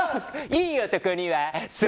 いい男には。